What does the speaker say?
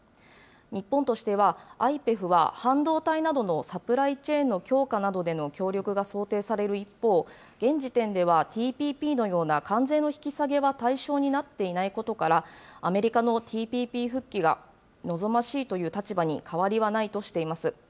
日本としては、ＩＰＥＦは半導体などのサプライチェーンの強化などでの協力が想定される一方、現時点ではＴＰＰのような関税の引き下げは対象になっていないことから、アメリカのＴＰＰ復帰が望ましいという立場に変わりはないとしています。